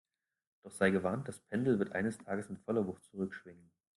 Doch sei gewarnt, das Pendel wird eines Tages mit voller Wucht zurückschwingen!